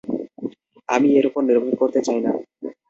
আমি এর উপর নির্ভর করতে চাই না।